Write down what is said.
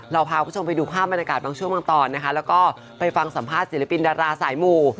พาคุณผู้ชมไปดูภาพบรรยากาศบางช่วงบางตอนนะคะแล้วก็ไปฟังสัมภาษณ์ศิลปินดาราสายหมู่